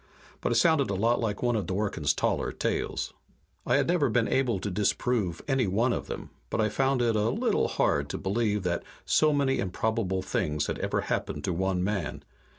But it sounded a lot like one of Dworken's taller tales. I had never been able to disprove any one of them, but I found it a little hard to believe that so many improbable things had ever happened to one man.